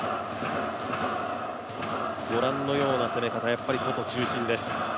御覧のような攻め方、外中心です。